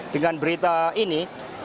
dengan berita ini